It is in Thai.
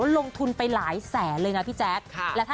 ลงทุนไปหลายแสนเลยนะพี่แจ๊ค